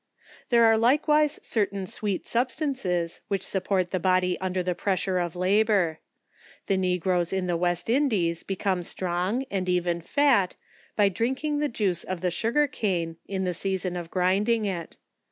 There are likewise certain sweet substances which support the body under the pressure of labour. The ne groes in the West Indies become sti"ong, and even fat by drinking the juice of the sugar cane in the season of grind ing it.